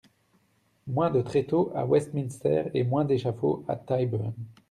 Moins de tréteaux à Westminster et moins d’échafauds à Tyburn !